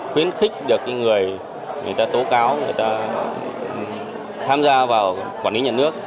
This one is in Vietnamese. khuyến khích được những người người ta tố cáo người ta tham gia vào quản lý nhà nước